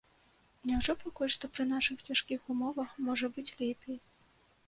Няўжо пакуль што пры нашых цяжкіх умовах можа быць лепей?